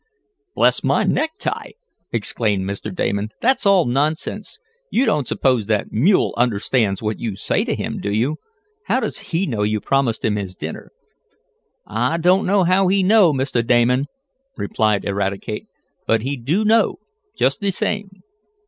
"Bless my necktie!" exclaimed Mr. Damon. "That's all nonsense! You don't suppose that mule understands what you say to him, do you? How does he know you promised him his dinner?" "I doan't know how he know, Mistah Damon," replied Eradicate, "but he do know, jest de same.